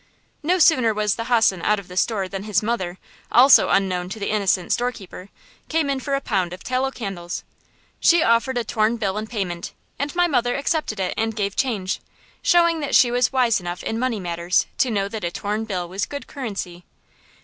No sooner was the hossen out of the store than his mother, also unknown to the innocent storekeeper, came in for a pound of tallow candles. She offered a torn bill in payment, and my mother accepted it and gave change; showing that she was wise enough in money matters to know that a torn bill was good currency.